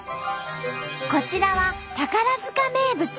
こちらは宝塚名物